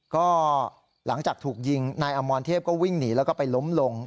ก็หลังจากถูกยิงนายอมรเทพก็วิ่งหนีแล้วก็ไปล้มลง